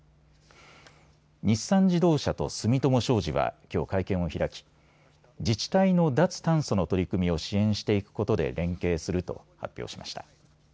日産自動車と住友商事はきょう会見を開き自治体の脱炭素の取り組みを支援していくことで連携すると発表しました。